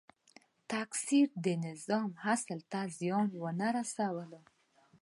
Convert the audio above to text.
تکثیر د نظام اصل ته زیان ونه رسول.